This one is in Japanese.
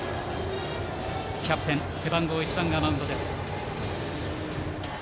キャプテン背番号１番がマウンド。